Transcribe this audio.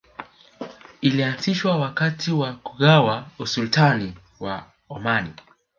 Ilianzishwa wakati wa kugawa Usultani wa Omani